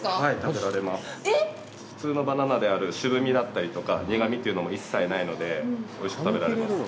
普通のバナナである渋みだったりとか苦みというのも一切ないのでおいしく食べられます。